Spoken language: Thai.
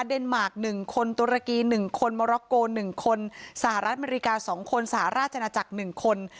เดนมาร์ค๑คนตุรกี๑คนมร็อกโก๑คนสหรัฐอเมริกา๒คนสหราชนาจักร๑คน